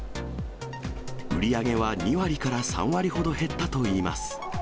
売り上げは２割から３割ほど減ったといいます。